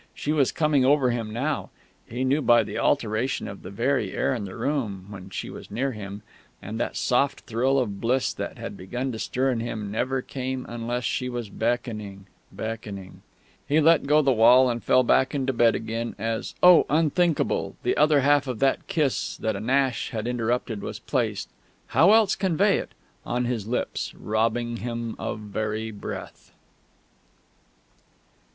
She was coming over him now; he knew by the alteration of the very air of the room when she was near him; and that soft thrill of bliss that had begun to stir in him never came unless she was beckoning, beckoning.... He let go the wall and fell back into bed again as oh, unthinkable! the other half of that kiss that a gnash had interrupted was placed (how else convey it?) on his lips, robbing him of very breath....